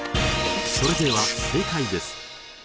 それでは正解です。